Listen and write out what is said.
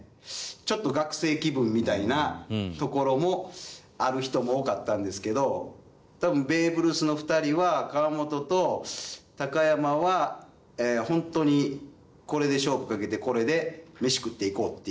ちょっと学生気分みたいなところもある人も多かったんですけど多分ベイブルースの２人は河本と高山は本当にこれで勝負かけて。